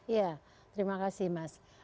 ya terima kasih mas